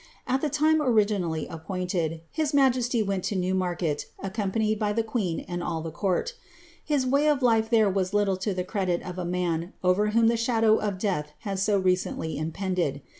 At the time originally appointed, his majesty went to Newmarket, accompanied by the queen and all the courL His way of life there was little to the credit of a man over wlioni tlie shadow of death had so re cently impended.